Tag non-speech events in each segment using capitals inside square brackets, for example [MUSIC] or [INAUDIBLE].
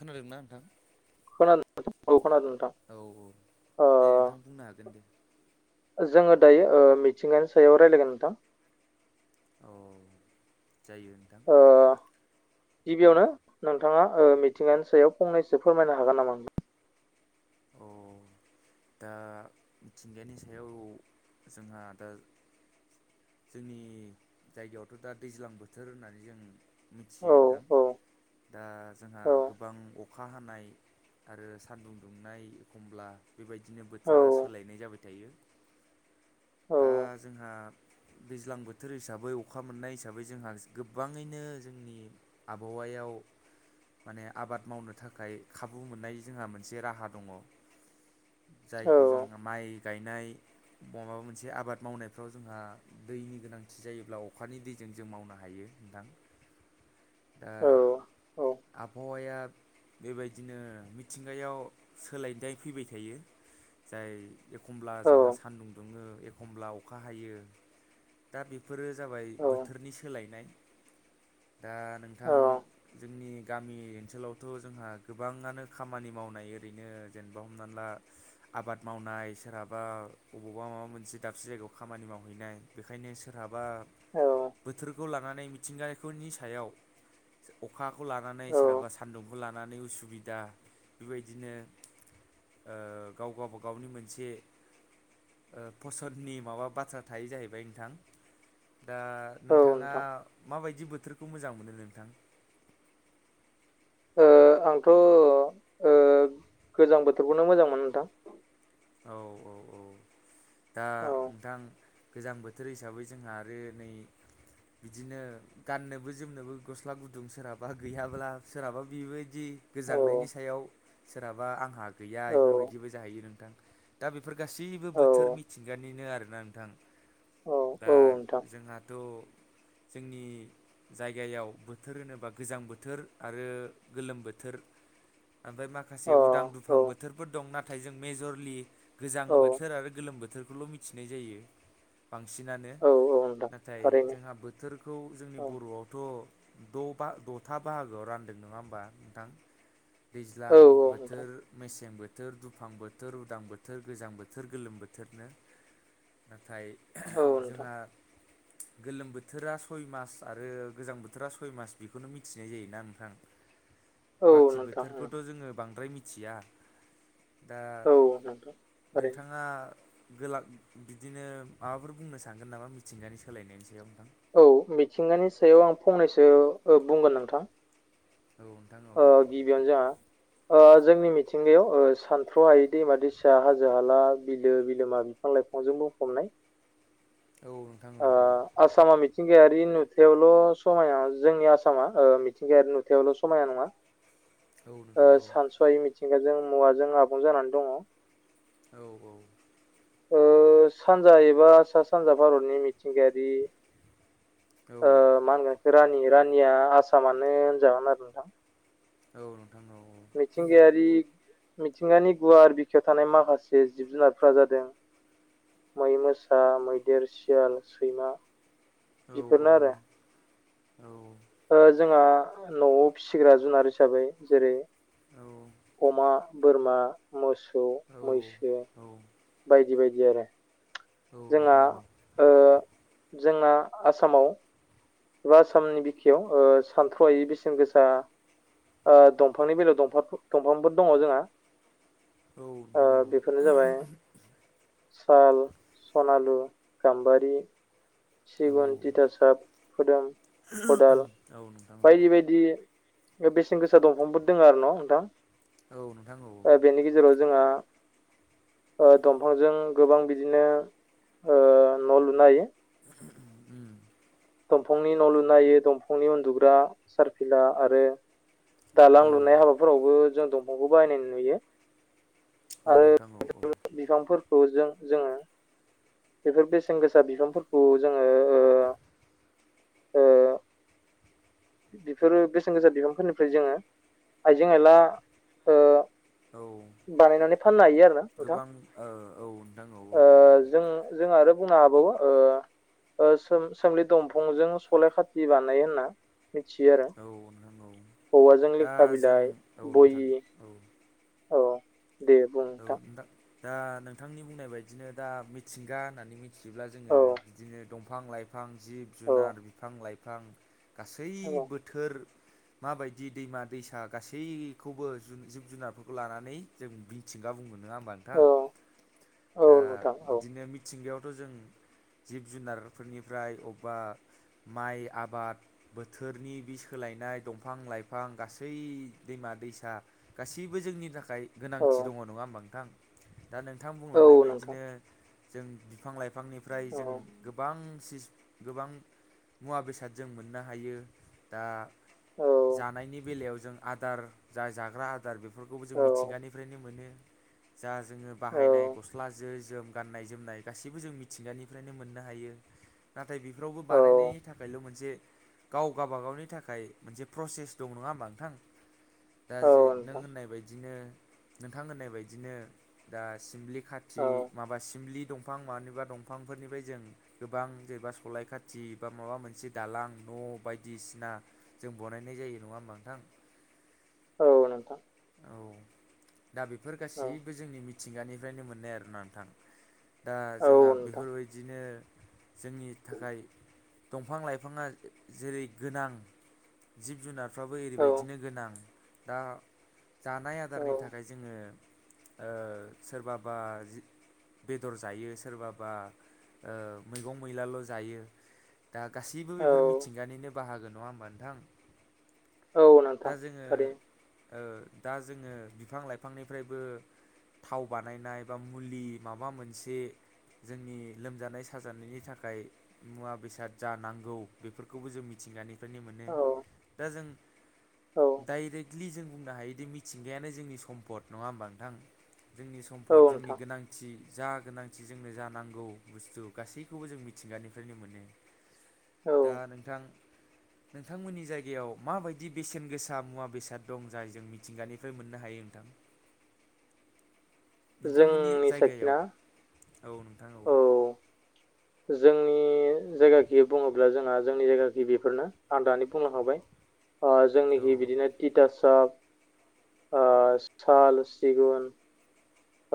खोनादोंना नोंथां? खोनादों औ खोनादों नोंथां औ औ ओ दे नोंथां बुंनो हागोन दे ओ जोङो दायो ओ मिथिंगानि सायाव रायलायगोन नोंथां। औ जायो नोंथां। ओ गिबियावनो नोंथाङा ओ मिथिंगानि सायाव फंनैसो फोरमायनो हागोन नामा? अ दा मिथिंगानि सायाव जोंहा दाज जोंनि जायगायावथ' दा दैज्लां बोथोर होननानै जों औ मिथियो नोंथां। औ दा जोंहा औ गोबां अखा हानाय आरो सान्दुं दुंनाय एखमब्ला बेबायदिनो औ बोथोरा सोलायनाय जाबाय थायो। औ दा जोंहा दैज्लां बोथोर हिसाबै अखा मोननाय हिसाबै जोंहास गोबाङैनो जोंनि आबहावा याव माने आबाद मावनो थाखाय खाबु मोननाय जोंहा मोनसे राहा दङ। औ जायखौ जोंहा माइ गायनाय मबेबा मोनसे आबाद मावनायफ्राव जोंहा दैनि गोनांथि जायोब्ला अखानि दैजों जों मावनो हायो नोंथां। दा औ आबहावाया बेबायदिनो मिथिंगायाव सोलायदाय फैबाय थायो जाय एखमब्ला औ जोंहा सानदुं दुङो एखमब्ला अखा हायो। दा बेफोरो जाबाय बोथोरनि सोलायनाय। दा नोंथां जोंनि गामि ओनसोलावथ' जोंहा गोबाङानो खामानि मावनाय ओरैनो जेनेबा हमनानै ला आ आबाद मावनाय सोरहाबा अबावबा माबा मोनसे दाबसे जायगायाव खामानि मावहैनाय। बेखायनो सोरहाबा औ बोथोर खौ लानानै मिथिंगाफोरनि सायाव जो अखाखौ लानानै औ सोरहाबा सान्दुं खौ लानानै उसुबिदा बेबायदिनो ओ गाव गावबा गावनि मोनसे ओ फसन्दनि माबा बाथ्रा थायो जाहैब बाय नोंथां दा औ नोंथाङा नोंथां माबायदि बोथोर खौ मोजां मोनो नोंथां? ओ आंथ' ओ अ ओ गोजां बोथोरखौनो मोजां मोनो नोंथां अ औ औ औ दा औ नोंथां गोजां बोथोर हिसाबै जोंहा आरो नै बिदिनो गाननोबो जोमनोबो गस्ला गुदुं सोरहाबा गैयाब्ला सोरहाबा बेबायदि औ गोजांनायनि सायाव सोरहाबा आंहा गैया औ इफोरबायदिबो जाहैयो नोंथां। दा बेफोर गासैबो औ बोथोर मिथिंगानिनो आरोना नोंथां। औ दा औ नोंथां जोंहाथ' जोंनि जायगायाव बोथोर होनोबा गोजां बोथोर आरो गोलोम बोथोर ओमफाय माखासे अ उदां दुफां औ बोथोरफोर दं नाथाय जों मेजर लि गोजां औ औ बोथोर आरो गोलोम बोथोरखौल' मिथिनाय जायो बांसिनानो औ नोंथां नाथाय थारैनो जोंहा बोथोरखौ जोंनि औ बर'आवथ' द बा द'था बाहागोआव रानदों नङा होमबा नोंथां? दैज्लां औ औ नोंथां बोथोर, मेसें बोथोर, दुफां बोथ बोथोर, उदां बोथोर, गोजां बोथोर, गोलोम बोथोरनो नाथाय औ नोंथां जोंहा गोलोम बोथोरा सय मास आरो गोजां बोथोरा सय मास बेखौनो मिथिनाय जायोना नोंथां। औ बाखि नोंथां उम, बोथोरखौथ' जोङो बांद्राय मिथिया दा औ नोंथां थारैनो नोंथाङा गोला बिदिनो माबाफोर बुंनो सानगोन नामा मिथिंगानि सोलायनायनि सायाव नोंथां? औ मिथिंगानि सायाव आं फंनैसो बुंगोन नोंथां। औ नोंथां ओ औ गिबियावनो जोंहा अ जोंनि मिथिंगायाव सानथ्र' हायै दैमा-दैसा, हाजो -हाला, बिलो -बिलोमा बिफां लाइफांजों बुंफबनाय। औ नोंथां औ ओ औ। आसामा मिथिंगायारि नुथायावल' समाया जोंनि आसामा मिथिंगायारि नुथायावल' समायाना नङा। औ नोंथां औ। जेनेबा जों मुवाजों आबुं जानानै दङ। औ औ। सानजा एबा सानजा भारतनि मिथिंगायारि औ। ओ मा होनगोन बेखौ रानि रानिया आसामानो होनजागोन आरो नोंथां। औ नोंथां औ। मिथिंगायारि मिथिंगानि गुवार बिखायाव थानाय माखासे जिब जुनारफ्रा जादों। मै, मोसा, मैदेर, सियाल, सैमा औ औ बेफोरनो आरो औ ओ जोंहा न'आव फिसिग्रा जुनार हिसाबै जेरै नोंथां अमा बोरमा, मोसौ, मैसो औ बायदि बायदि आरो जोंहा नोंथां औ जोंना आसामाव एबा आसामनि बिखायाव सानथ्र'हायि बेसेन गोसा ओ दंफांनि बेलायाव दंफां दंफांफोर दङ जोंहा। औ ओ नोंथां औ। बेफोरनो जाबाय साल, सनालु, गाम्बारि, औ सिगुन, दिथासाब खोदोम, खदाल, औ नोंथां औ बायदि बायदि बेसेन गोसा दंफांफोर दोङ आरो न' औ औ नोंथां बेनि गेजेराव जोंहा ओ दंफांजों गोबां बिदिनो ओ न'लुनो हायो। उम दंफांनि न' लुनायो दंफांनि उन्दुग्रा सारफिला आरो दालां औ लुनाय हाबाफोरावबो जों दंफांखौ बाहायनाय नुयो। औ नोंथां औ आरोफोर बिफांफोरखौ जों जोङो बेफोर बेसेन गोसा बिफांफोरखौ जोङो ओ ओ बेफोरो बेसेन गोसा बिबांफोरनिफ्राय जोङो आइजें आइला ओ औ औ बानायनानै फाननो हायो आरो ना नोंथां गोबां ओ औ नोंथां औ ओ नोंथां जों जों आरो बुंनो हाबावो ओ सोम सोमलि दंफांजों सलाय खाथि बानायो होनना मिथियो आरो औ नोंथां औ औवाजों दा लेखा जों बिलाइ औ नोंथां बहि औ। औ दे बुं नोंथां। दा नोंथांनि बुंनाय बायदिनो दा मिथिंगा होननानै मिथियोब्ला जोङो औ बिदिनो दंफां लाइफां बिफां जिब औ जुनार बिफां लाइफां गासै औ बोथोर माबायदि दैमा दैसा गासैखौबो जिब जुनारफोरखौ लानानै जों मिथिंगा बुंगोन नङा होमबा नोंथां औ औ दा नोंथां औ बिदिनो मिथिंगायावथ' जों जिब जुनारफोरनिफ्राय अबेबा माइ आबाद बोथोरनि बे सोलाय नाय दंफां-लाइफां गासै दैमा दैसा गाससिबो जोंनि थाखाय औ गोनांथि दङ नङा होमबा नोंथां दा नोंथां बुंलांनाय औ नोंथां बायदिनो जों बिफां-लाइफां बिफांनिफ्राय औ जों गोबां सि गोबां मुवा बेसाद जों मोननो हायो दा औ जानायनि बेलायाव जों आदार जा जाग्रा आदार बेफोरखौबो जों औ मिथिंगानि निफ्रायनो मोनो जा जोङो औ बाहायनाय गस्ला जि जोम गाननाय जोमनाय गासैबो जों मिथिंगानिफ्रायनो मोननो हायो नाथाय बेफोरावबो औ बानायनायनि थाखायल' मोनसे गाव गावाबागावनि थाखाय मोनसे प्रसेस दं नङा होमबा नोंथां दा जे औ नों नोंथां होननाय बायदिनो नोंथां होननाय बायदिनो दा सिमलि खाथि औ माबा सिमलि दंफां मानोबा दंफांफोरनिफ्राय जों गोबां जेनेबा सलाय खाथि बा माबा मोनसे दालां न' बायदिसिना जों बनायनाय जायो नङा होमबा नोंथां औ नोंथां औ दा बेफोर औ गासैबो जोंनि मि थिंगानिफ्रायनो मोननाय आरो नोंथां दा औ जोंहा नोंथां बेफोरबायदिनो जोंनि थाखाय दंफां लाइफाङा जेरै गोनां जिब जुनारफ्राबो औ ओरैबायदिनो गोनां दा जानाय आदारनि थाखाय जोङो ओ सोरबाबा जि बेदर जायो सोरबाबा ओ मैगं मैलाल' जायो दा गासैबो औ बेफोर औ मिथिंगानिनो बाहागो नङा होमबा नोंथां? औ [INAUDIBLE] दा नोंथां जोङो थारैनो ओ दा जोङो बिफां लाइफांनिफ्रायबो थाव बानायनाय बा मुलि माबा मोनसे जोंनि लोमजानाय साजानायनि थाखाय मुवा बेसाद जा नांगौ बेफोरखौबो जों मिथिंगानि बेफोरनो मोनो औ दा जों औ डाइरेक्टलि जों बुंनो हायोदि मिथिंगायानो जोंनि सम्पद नङा होमबा नोंथां जोंनि औ सम्फद जोंनि नोंथां गोनांथि जा गोनांथि जोंनो जा नांगौ बुस्थु गासैखौबो जों मिथिंगानिफ्रायनो मोनो औ दा नोंथां नोंथांमोननि जायगायाव माबायदि बेसेन गोसा मुवा बेसाद दं जाय जों मिथिंगानिफ्राय मोननो हायो नोंथां नोंथांमोननि जोंनि जायगायाव साखिना औ नोंथां औ जोंनि जायगाखि बुङोब्ला जोंहा जोंनि जायगाखि बेफोरनो आं दानि बुंलांखाबाय ओ औ जोंनिखि बिदिनो तिथासाब आ साल सिगुन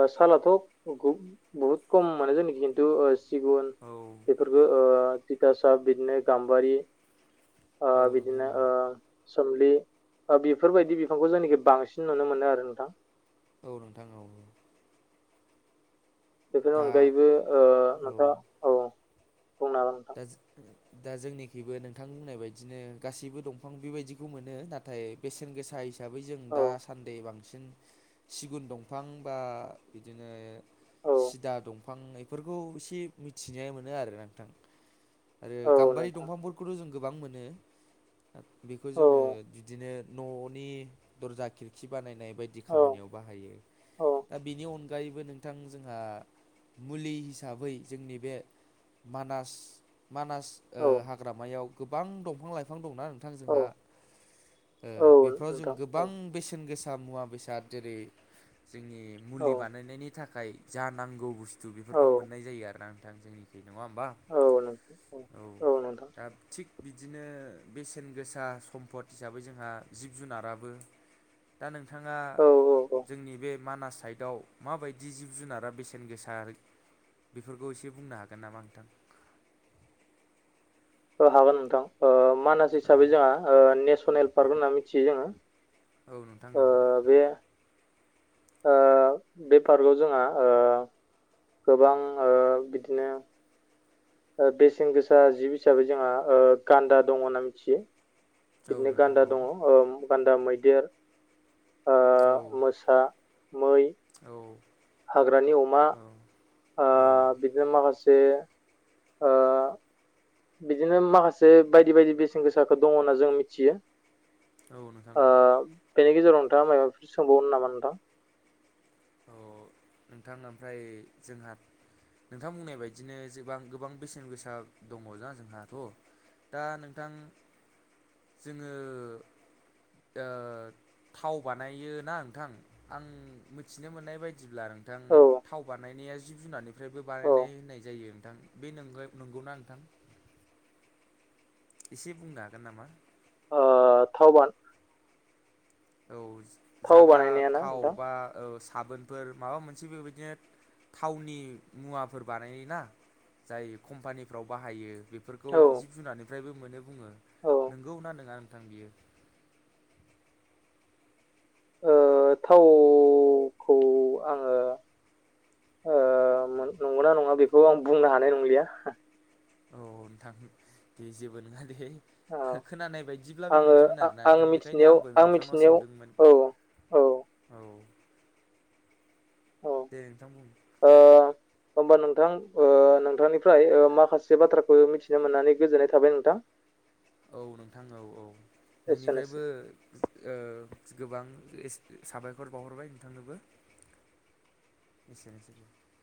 ओ सालाथ' ओगु बहुत खम माने जि [UNINTELLIGIBLE] सिगुन औ बेफोरखौ ओ थिथासा बिदिनो गाम्बारि ओ औ नोंथां बिदिनो औ ओ सोमलि बेफोरबायदि बिफांखौ जायनाखि बांसिन नुनो मोनो आरो नोंथां औ नोंथां औ बेफोरनि दा अनगायैबो ओ नोंथाङा औ बुंनो हागोन नोंथां दाज दा जोंनिखबो नोंथांनि बुंनाय बायदिनो गासैबो दंफां बेबायदिखौ मोनो नाथाय बेसेन गोसा हिसै जों औ दा सान्दै बांसिन सिगुन दंफां बा बिदिनो औ सिदा दंफां ऐफोरखौ एसे मिथिनाय मोनो आरो नोंथां आरो औ गाम्बारि नोंथां दंफांफोरखौथ' जों गोबां मोनो बेखौ औ जोङो बिदिनो न'नि दरजा खिरखि बानायनाय बायदि औ खामानियाव बाहायो औ दा बेनि अनगायैबो नोंथां जोंहा मुलि हिसाबै जोंनि बे मानास मानास ओ हाग्रामायाव गोबां दंफां लाइफां दंना नोंथां औ जोंहा ओ औ बेफोराव जों नोंथां औ गोबां बेसेन गोसा मुवा बेसाद जेरै जोंनि औ मुलि बानायनायनि थाखाय जा नांगौ बुस्थु बेफोरखौ मोननाय औ जायो आरो ना नोंथां जोंनिख नङा होमबा औ नोंथां औ दा थिग बिदिनो बेसेन गोसा सम्पद हिसाबै जोंहा जिब जुनाराबो दा नोंथाङा औ औ जोंनि बे मानास साइडआव माबायदि जिब -जुनारा बेसेन गोसा बेफोरखौ एसे बुंनो हागोन नामा नोंथां हागोन नोंथां मानास हिसाबै औ जोंहा नेसनेल पार्क होनना मिथियो जोङो औ नोंथां औ बेफारखौ जोंहा गोबां बिदिनो बेसेन गोसा जिब हिसाबै जोंहा गान्दा दङ होनना मिथियो औ बिदिनो नोंथां गान्दा औ दङ गान्दा, मैदेर औ ओ मोसा मै औ हाग्रानि अमा औ बिदिनो माखासे बिदिनो माखासे बायदि बायदि बेसेन गोसाखौ दङ होनना जों मिथियो नोंथां ओ औ बेनि गेजेराव नोंथाङा माबाफोर सोंबावनो नामा नोंथां अ नोंथां ओमफ्राय जोंहा नोंथां बुंनाय बायदिनोबां गोबां बेसेन गोसा दङना जोंहाथ' दा नोंथां जोङो थाव बानायोना नोंथां आं मिथिनो मोननाय बायदिब्ला नोंथां औ थाव बानायनायनि या जिब -जुनारनिफ्रायबो औ बानायनाय होननाय जायो नोंथां बे नंगौना नोंथां एसे बुंनो हागोन नामा ओ थाव बानाय औ जाग्रा थाव नोंथां बा साबोनफोर माबा मोनसे बेबायदिनो थावनि मुवाफोर बानायोना जाय कम्पानिफ्राव बाहायो बेफोरखौ औ जिब- जुनार फ निफ्रायबो मोनो बुङो औ नंगौ ना नङा नोंथां बियो थावखौ आङो ओ नंगौना नङा बेखौ आं बुंनो हानाय नंलिया औ नोंथां दे जेबो नङा दे औ खोनानाय बायदिब्ला आङो बेबायदिमोन आरोना आं नोंथां बेखायनो मिथिनायाव आंबो आं नोंथांनाव मिथिनायाव सोंदोंमोन औ औ औ दे नोंथांमोन हबा नोंथां नोंथांनिफ्राय माखासे बाथ्राखौ मिथिनो मोननानै गोजोननाय थाबाय नोंथां औ नोंथां औ -औ एसेनोसै। नोंनिफ्रायबो गोबां साबायखर बावहरबाय नोंथांनोबो [INAUDIBLE]